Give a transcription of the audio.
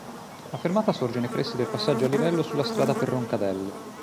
La fermata sorge nei pressi del passaggio a livello sulla strada per Roncadelle.